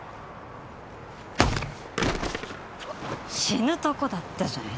死ぬとこだったじゃん！